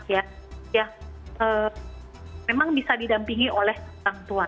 ya memang bisa didampingi oleh orang tua